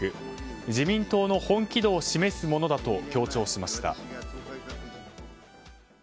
自民党の本気度を示すものだと強調しました。